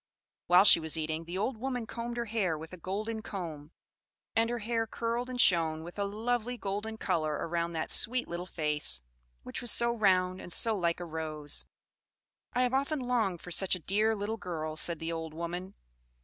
While she was eating, the old woman combed her hair with a golden comb, and her hair curled and shone with a lovely golden color around that sweet little face, which was so round and so like a rose. "I have often longed for such a dear little girl," said the old woman.